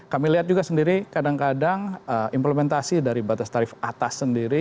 kami lihat juga sendiri kadang kadang implementasi dari batas tarif atas sendiri